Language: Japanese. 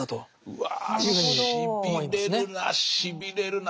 うわしびれるなしびれるなぁ。